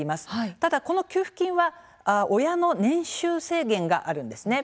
ただこの給付金は親の年収制限があるんです。